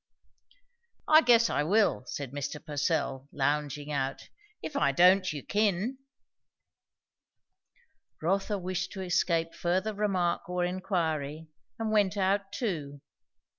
"I guess I will," said Mr. Purcell, lounging out. "If I don't, you kin." Rotha wished to escape further remark or enquiry, and went out too.